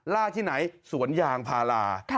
ล่าที่ไหนสวนยางพารา